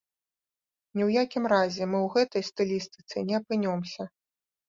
Ні ў якім разе мы ў гэтай стылістыцы не апынёмся.